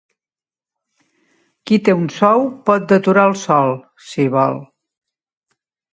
Qui té un sou pot deturar el sol, si vol.